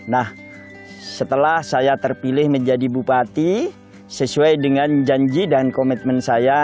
nah setelah saya terpilih menjadi bupati sesuai dengan janji dan komitmen saya